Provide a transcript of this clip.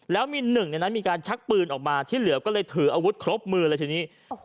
แล้วมีหนึ่งในนั้นมีการชักปืนออกมาที่เหลือก็เลยถืออาวุธครบมือเลยทีนี้